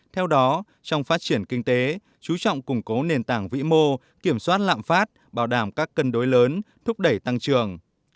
theo đó trong phát triển kinh tế chú trọng củng cố nền tảng vĩ mô kiểm soát lạm phát bảo đảm các cân đối lớn thúc đẩy tăng trưởng